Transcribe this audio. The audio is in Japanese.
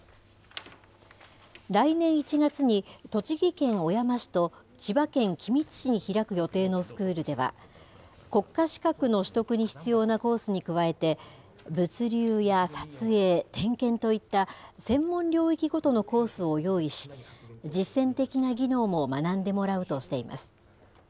来年１月に、栃木県小山市と千葉県君津市に開く予定のスクールでは、国家資格の取得に必要なコースに加えて、物流や撮影、点検といった専門領域ごとのコースを用意し、実践的な技能も学んでもらうとしています。